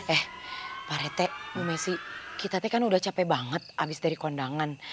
eh pak rete bu messi kita teh kan udah capek banget abis dari kondangan